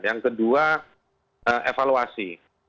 yang kedua evaluasi